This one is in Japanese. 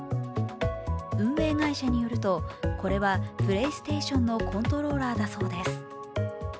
運営会社によると、これはプレイステーションのコントローラーだそうです。